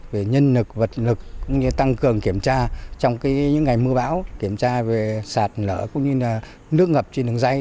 điện lực tăng cường kiểm tra trong những ngày mưa bão kiểm tra sạt lỡ nước ngập trên đường dây